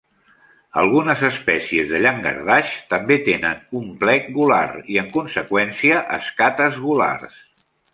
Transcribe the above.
Algunes espècies de llangardaix també tenen un plec gular i, en conseqüència, escates gulars.